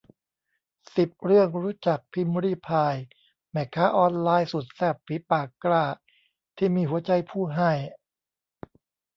สิบ เรื่องรู้จัก พิมรี่พาย แม่ค้าออนไลน์สุดแซ่บ ฝีปากกล้า ที่มีหัวใจผู้ให้